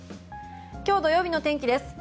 今日、土曜日の天気です。